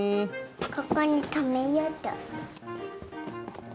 ここにとめようっと。